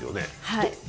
はい。